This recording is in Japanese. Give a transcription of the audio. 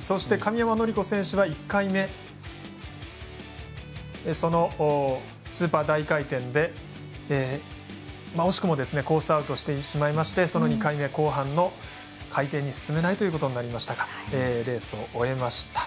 そして神山則子選手は１回目、スーパー大回転で惜しくもコースアウトしてしまいましてその２回目、後半の回転に進めないということになりましたがレースを終えました。